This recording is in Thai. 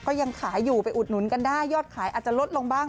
ก็ยังขายอยู่ไปอุดหนุนกันได้ยอดขายอาจจะลดลงบ้าง